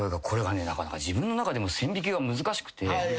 これがねなかなか自分の中でも線引きが難しくて。